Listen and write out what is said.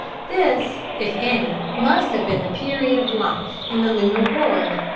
This, if any, must have been the period of life in the lunar world.